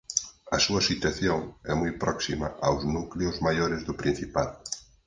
A súa situación é moi próxima aos núcleos maiores do Principado.